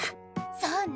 そうね。